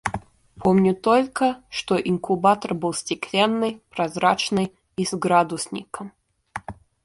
Помню только, что инкубатор был стеклянный, прозрачный и с градусником.